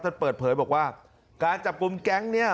ท่านเปิดเผยบอกว่าการจับกลุ่มแก๊งก์เนี่ย